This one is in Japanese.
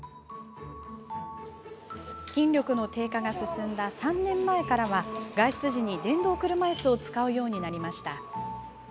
筋力の低下が進んだ３年前からは外出時に電動車いすを使うようになりました。